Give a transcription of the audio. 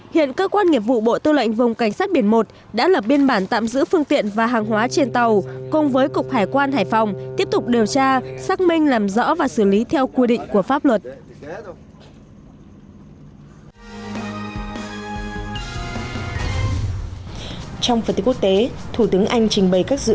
hiện cơ quan nghiệp vụ bộ tư lệnh vùng cảnh sát biển một đã lập biên bản tạm giữ phương tiện và hàng hóa trên tàu cùng với cục hải quan hải phòng tiếp tục điều tra xác minh làm rõ và xử lý theo quy định của pháp luật